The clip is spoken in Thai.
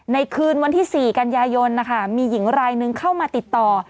คืนวันที่๔กันยายนนะคะมีหญิงรายนึงเข้ามาติดต่อ